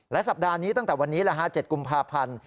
สัปดาห์นี้ตั้งแต่วันนี้๗กุมภาพันธ์